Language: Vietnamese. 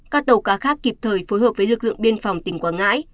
các tàu cá khác kịp thời phối hợp với lực lượng biên phòng tỉnh quảng ngãi